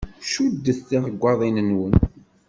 Cuddet tiɣggaḍin-nwen.